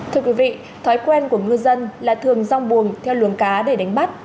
thưa quý vị thói quen của ngư dân là thường rong buồng theo luồng cá để đánh bắt